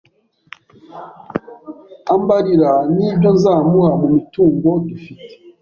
ambarira n’ibyo nzamuha mumitungo dufite